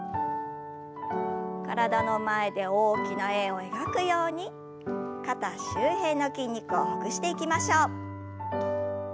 体の前で大きな円を描くように肩周辺の筋肉をほぐしていきましょう。